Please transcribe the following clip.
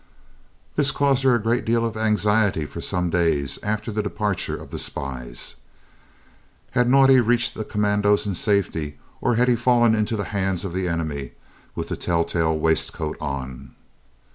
This caused her a great deal of anxiety for some days after the departure of the spies. Had Naudé reached the commandos in safety or had he fallen into the hands of the enemy with the tell tale waistcoat on?